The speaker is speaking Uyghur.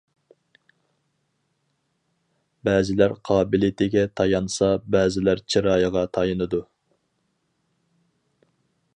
بەزىلەر قابىلىيىتىگە تايانسا، بەزىلەر چىرايىغا تايىنىدۇ.